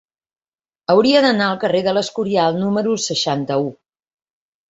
Hauria d'anar al carrer de l'Escorial número seixanta-u.